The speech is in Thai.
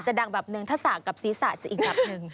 จะดำแบบนึงถ้าสากกับสีสะจะอีกแบบนึง